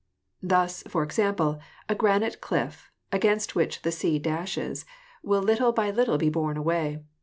Thus, for example, a granite cliff, against which the sea dashes, will little by little be worn away.